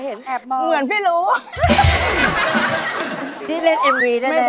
เห็นแอบมอง